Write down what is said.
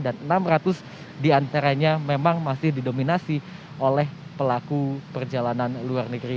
dan enam ratus diantaranya memang masih didominasi oleh pelaku perjalanan luar negeri